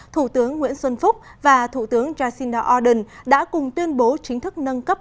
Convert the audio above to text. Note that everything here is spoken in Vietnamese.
thủ tướng nguyễn xuân phúc và thủ tướng jacinda ardern đã cùng tuyên bố chính thức nâng cấp